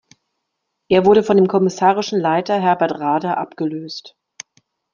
Er wurde von dem kommissarischen Leiter Herbert Rader abgelöst.